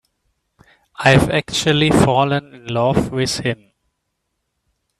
I've actually fallen in love with him.